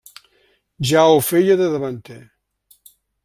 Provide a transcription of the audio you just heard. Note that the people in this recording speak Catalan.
Ja ho feia de davanter.